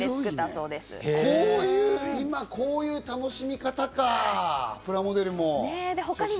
今こういう楽しみ方か、プラモデルも。